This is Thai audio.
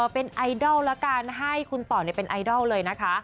เป็นไอดอลละกันให้คุณต่อเป็นไอดอลเลยนะคะ